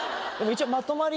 一応。